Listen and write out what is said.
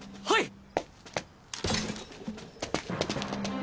はい！